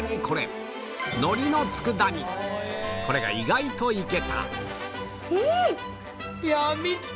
これこれが意外とイケたん！